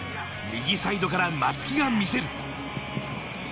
右サイドから松木が見せる。